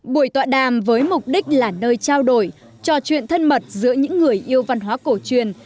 buổi tọa đàm với mục đích là nơi trao đổi trò chuyện thân mật giữa những người yêu văn hóa cổ truyền